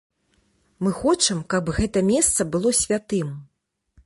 Мы хочам, каб гэта месца было святым.